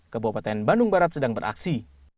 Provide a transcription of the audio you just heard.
kabupaten bandung barat sedang beraksi